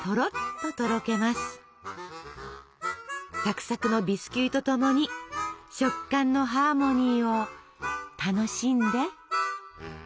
さくさくのビスキュイと共に食感のハーモニーを楽しんで。